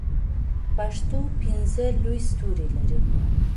پښتو پنځه لوی ستوري لري.